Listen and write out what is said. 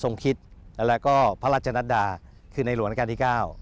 คิดแล้วก็พระราชนัดดาคือในหลวงราชการที่๙